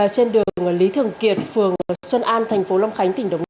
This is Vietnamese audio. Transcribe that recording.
trên đường lý thường kiệt phường xuân an tp long khánh tỉnh đồng nai